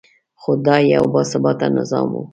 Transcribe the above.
خو دا یو باثباته نظام نه و.